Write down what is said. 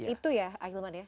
itu ya ahilman ya